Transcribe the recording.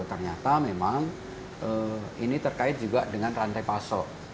ternyata memang ini terkait juga dengan rantai pasok